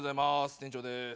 店長です。